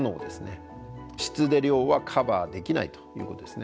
質で量はカバーできないということですね。